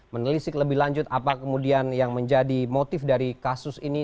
menelisik lebih lanjut apa kemudian yang menjadi motif dari kasus ini